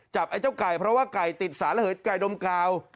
ไอ้เจ้าไก่เพราะว่าไก่ติดสารเหิดไก่ดมกาว